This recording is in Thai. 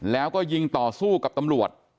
แล้วก็ยิงต่อสู้กับตำรวจ